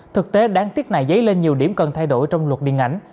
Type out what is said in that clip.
thực tế đáng tiếc này dấy lên nhiều điểm cần thay đổi trong luật điện ảnh